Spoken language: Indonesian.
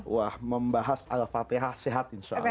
wah membahas al fatihah sehat insya allah